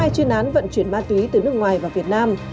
hai chuyên án vận chuyển ma túy từ nước ngoài vào việt nam